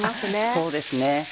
そうですね。